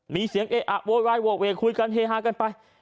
มีเสียงโว้ยเวย์คุยกันเฮ้ากันไป